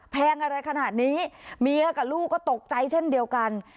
แงอะไรขนาดนี้เมียกับลูกก็ตกใจเช่นเดียวกัน